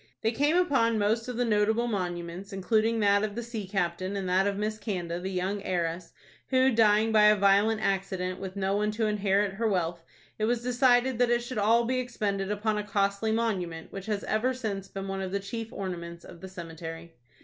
They came upon most of the notable monuments, including that of the sea captain, and that of Miss Canda, the young heiress, who, dying by a violent accident, with no one to inherit her wealth, it was decided that it should all be expended upon a costly monument, which has ever since been one of the chief ornaments of the cemetery.